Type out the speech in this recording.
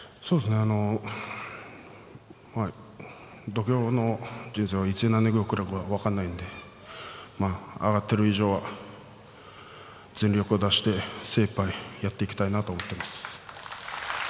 あの土俵人生はいつ何が起こるか分からないので上がっている以上は全力を出して精いっぱいやっていきたいなと思っています。